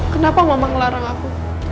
kenapa mama ngelarang aku